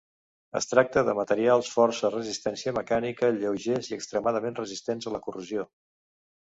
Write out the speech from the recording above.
Es tracta de materials força resistència mecànica, lleugers i extremadament resistents a la corrosió.